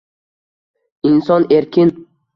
Inson erkin —